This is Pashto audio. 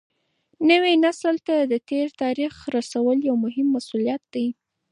نوي نسل ته د تېر تاریخ رسول یو مهم مسولیت دی.